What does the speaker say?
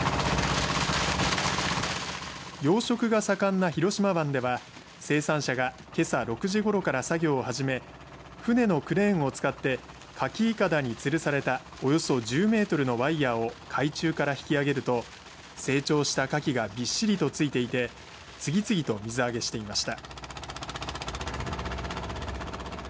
養殖が盛んな広島湾では生産者がけさ６時ごろから作業を始め船のクレーンを使ってかきいかだに吊るされたおよそ１０メートルのワイヤーを海中から引き上げると成長したかきがびっしりと付いていて次々と水揚げしていました。